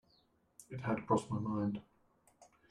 It had crossed my mind.